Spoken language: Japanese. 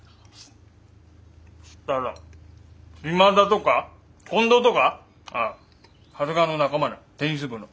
したら島田とか近藤とかああ長谷川の仲間なテニス部の。